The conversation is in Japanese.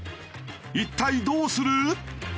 一体どうする？